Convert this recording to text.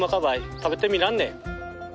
食べてみらんね。